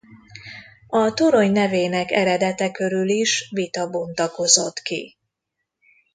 A torony nevének eredete körül is vita bontakozott ki.